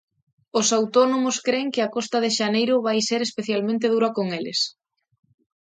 Os autónomos cren que a costa de xaneiro vai ser especialmente dura con eles.